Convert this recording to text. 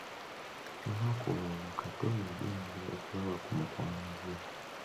Olunaku olulala, Kato yagenda okulaba ku mukwano gwe.